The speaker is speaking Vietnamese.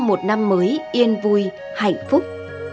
một năm mới yên vui hạnh phúc